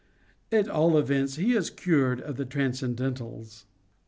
At all events, he is cured of the transcendentals."